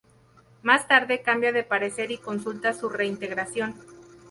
Más tarde, cambia de parecer y consulta su reintegración.